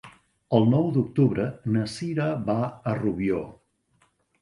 El nou d'octubre na Cira va a Rubió.